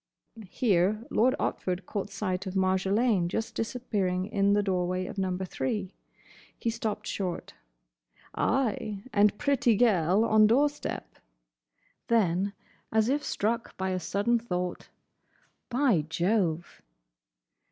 Here Lord Otford caught sight of Marjolaine just disappearing in the doorway of Number Three. He stopped short. "Ay, and pretty gel on door step." Then, as if struck by a sudden thought, "By Jove!"